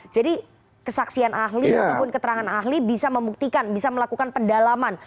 jadi kesaksian ahli ataupun keterangan ahli bisa membuktikan bisa melakukan pendalaman